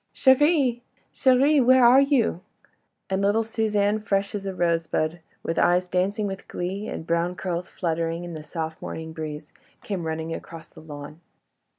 "Chérie!—chérie! where are you?" and little Suzanne, fresh as a rosebud, with eyes dancing with glee, and brown curls fluttering in the soft morning breeze, came running across the lawn.